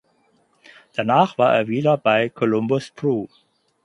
Danach war er wieder bei Columbus Crew.